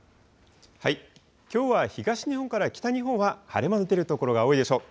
きょうは東日本から北日本は、晴れ間の出る所が多いでしょう。